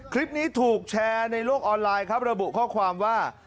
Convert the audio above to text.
คลิปนี้ถูกแชร์ในโลกออนไลน์ครับระบุข้อความว่า